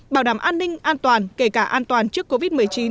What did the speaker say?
bảo đảm an ninh an toàn kể cả an toàn trước covid một mươi chín